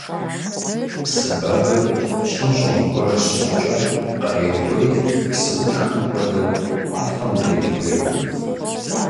Псы бэгыр щӀым щӀэмыхуэж щыхъукӀэ, кърехури, псыутхым хуэдэу уафэм дрехуей.